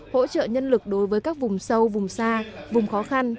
hỗ trợ nhân lực đối với các vùng sâu vùng xa vùng khó khăn